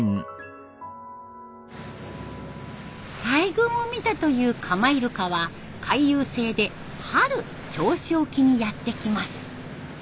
大群を見たというカマイルカは回遊性で春銚子沖にやって来ます。